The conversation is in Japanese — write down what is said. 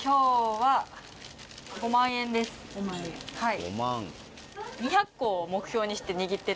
はい。